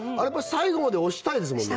最後まで押したいですもんね